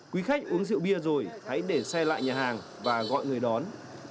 quý khách uống rượu bia rồi hãy để xe lại nhà hàng và gọi người đón